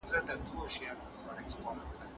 دا سپينکۍ له هغه پاکه ده!؟